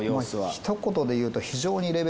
ひと言でいうと。